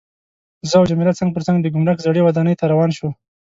زه او جميله څنګ پر څنګ د ګمرک زړې ودانۍ ته روان شوو.